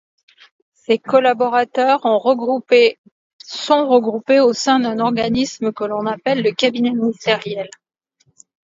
Ces collaborateurs sont regroupés au sein d'un organisme que l'on appelle le cabinet ministériel.